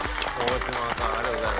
はい。